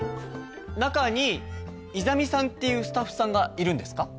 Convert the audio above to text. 中にイザミさんっていうスタッフさんがいるんですか？